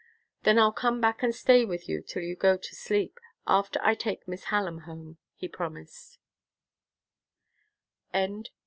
"Then I'll come back and stay with you till you go to sleep, after I take Miss Hallam home," he promised.